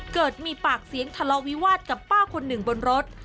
เกิดมีปากเสียงทะเลาวิวาสกับป้าคนหนึ่งบนรถ